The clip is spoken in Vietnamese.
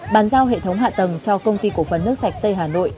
bàn giao hệ thống hạ thần cho công ty cổ phấn nước sạch tây hà nội